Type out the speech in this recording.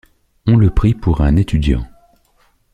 On le prit pour un étudiant.